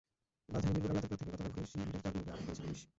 রাজধানীর মিরপুর এলাকা থেকে গতকাল ভোরে শিবিরের চার কর্মীকে আটক করেছে পুলিশ।